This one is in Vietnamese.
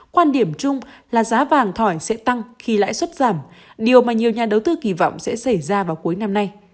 quan điểm chung là giá vàng thỏi sẽ tăng khi lãi suất giảm điều mà nhiều nhà đầu tư kỳ vọng sẽ xảy ra vào cuối năm nay